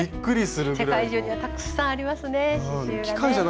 世界中にはたくさんありますね刺しゅうがね。